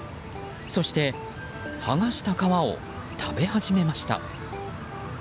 そして、はがした皮を食べ始めました。